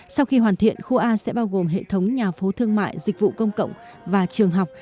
sau khi hoàn thiện khu a sẽ bao gồm hệ thống nhà phố thương mại dịch vụ công cộng và trường học